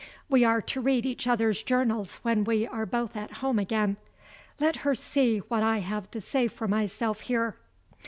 We are to read each other's journals when we are both at home again. Let her see what I have to say for myself here.